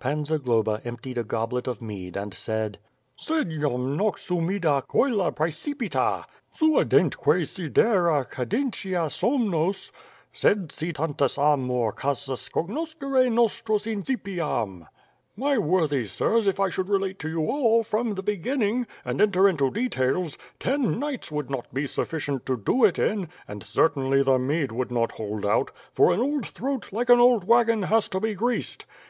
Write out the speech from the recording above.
Pan Zagloba emptied a goblet of mead and said: "Sed jam nox humida coelo praecipitat Suadentque sidera cadentia somnos Bed si iantus amor casus cognoscere nostras Incipiam/' .. My worthy sirs if I should relate to you all, from the be ginning, and enter into details, ten nights would not be snffi WITH FIRB! AND SWORD. ^yj cient to do it in, and, certainly, the mead would not hold out; for an old throat like an old wagon has to be greased.